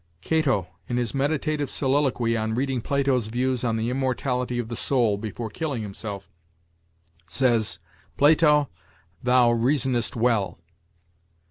Cato, in his meditative soliloquy on reading Plato's views on the immortality of the soul before killing himself, says: 'Plato, thou reasonest well.'